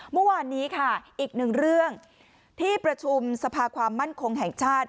เมื่อวานนี้ค่ะอีกหนึ่งเรื่องที่ประชุมสภาความมั่นคงแห่งชาติ